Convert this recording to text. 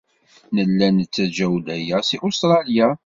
Nella nettaǧew-d aya seg Ustṛalya.